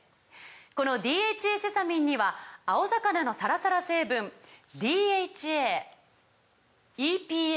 この「ＤＨＡセサミン」には青魚のサラサラ成分ＤＨＡＥＰＡ